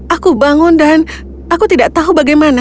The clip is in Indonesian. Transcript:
aku bangun dan aku tidak tahu bagaimana